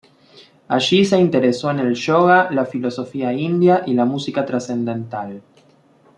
Allí se interesó en el yoga, la filosofía india y la música trascendental.